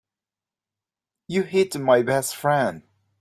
You hit my best friend.